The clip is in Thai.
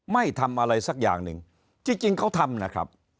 ไม่ทำอะไรสักอย่างหนึ่งจริงเขาทำนะครับ